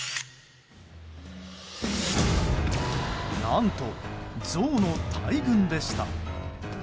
何と、ゾウの大群でした。